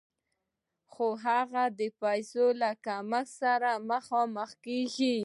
خو هغه د پیسو له کمښت سره مخامخ کېږي